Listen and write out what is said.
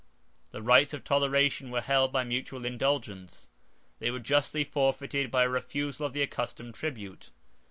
The rights of toleration were held by mutual indulgence: they were justly forfeited by a refusal of the accustomed tribute.